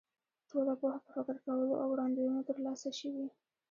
ټوله پوهه په فکر کولو او وړاندوینو تر لاسه شوې.